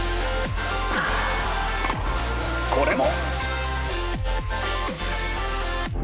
これも！